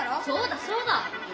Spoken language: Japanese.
そうだそうだ！